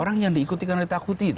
orang yang diikuti karena ditakuti